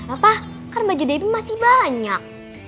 apa kan baju debbie masih banyak